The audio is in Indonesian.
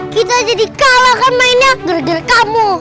kita jadi kalah kan mainnya gara gara kamu